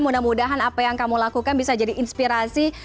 mudah mudahan apa yang kamu lakukan bisa jadi inspirasi